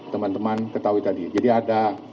teman teman ketahui tadi jadi ada